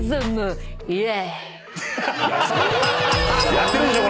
やってるでしょ